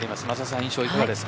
印象はいかがですか。